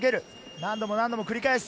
何度も何度も繰り返す。